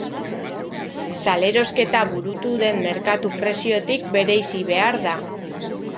Salerosketa burutu den merkatu-preziotik bereizi behar da.